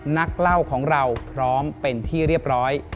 นักเล่าของเราพร้อมเป็นที่เรียบร้อย